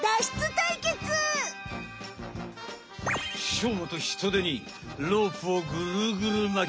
しょうまとヒトデにロープをぐるぐる巻き。